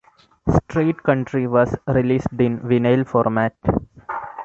"Strait Country" was released in vinyl format.